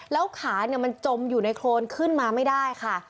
แล้วขามันจมอยู่ในโครนขึ้นมาไม่ได้ค่ะ